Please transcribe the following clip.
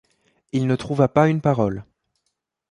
Il ne trouva pas une parole.